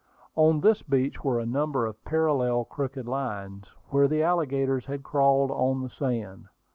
On this beach were a number of parallel crooked lines, where the alligators had crawled on the sand.